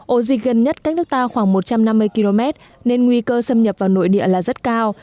ổ dịch gần nhất cách nước ta khoảng một trăm năm mươi km nên nguy cơ xâm nhập vào nội địa là rất cao